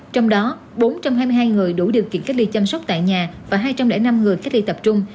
trong đó bốn trăm hai mươi hai người đủ điều kiện cách ly chăm sóc tại nhà và hai trăm linh năm người cách ly tập trung